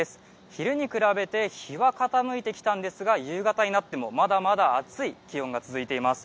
昼に比べて日は傾いてきたんですが夕方になってもまだまだ暑い気温が続いています。